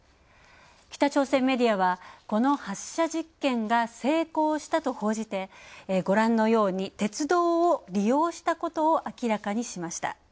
北朝鮮メディアは、この発射実験が成功したと報じて、ご覧のように鉄道を利用したことを明らかにしました。